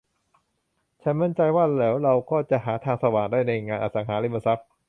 ฉันมั่นใจว่า เดี๋ยวเราก็จะหาทางสว่างได้ในงานอสังหาริมทรัพย์